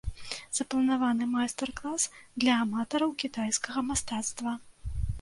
Запланаваны майстар-клас для аматараў кітайскага мастацтва.